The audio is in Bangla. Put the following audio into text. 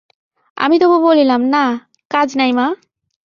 আমি তবু বলিলাম, না, কাজ নাই মা।